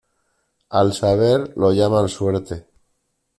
Al saber lo llaman suerte.